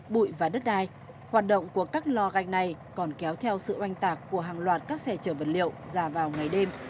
bụi và đất đai hoạt động của các lò gạch này còn kéo theo sự oanh tạc của hàng loạt các xe chở vật liệu ra vào ngày đêm